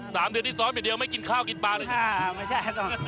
สามเดือนที่ซ้อมอย่างเดียวไม่กินข้าวกินบ้านเลย